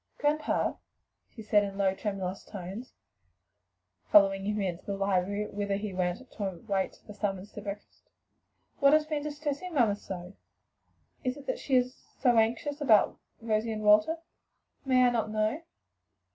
"Grandpa," she said in low, tremulous tones, following him into the library, whither he went to await the summons to breakfast, "what has been distressing mamma so? is it that she is so anxious about Elsie and Walter? May I not know?"